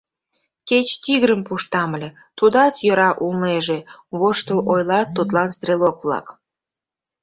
Кеч тигрым пуштам ыле, тудат йӧра улнеже, — воштыл ойлат тудлан стрелок-влак.